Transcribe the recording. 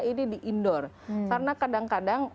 ini di indoor karena kadang kadang